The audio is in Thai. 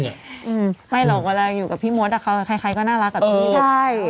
อืมไม่หรอกเวลาอยู่กับพี่มดอะเขาใครก็น่ารักกับพี่ใช่